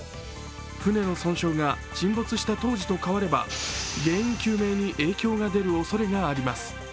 船の損傷が沈没した当時と変われば原因究明に影響が出るおそれがあります。